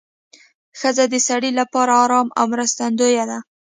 ښځه د سړي لپاره اړم او مرستندویه ده